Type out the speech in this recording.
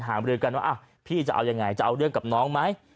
บริกันว่าพี่จะเอายังไงจะเอาเรื่องกับน้องไหม